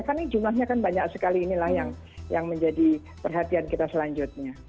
kan ini jumlahnya kan banyak sekali inilah yang menjadi perhatian kita selanjutnya